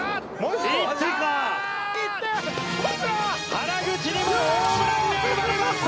原口にもホームランが生まれました！